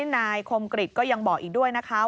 นายคมกริจก็ยังบอกอีกด้วยนะคะ